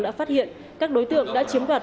đã phát hiện các đối tượng đã chiếm đoạt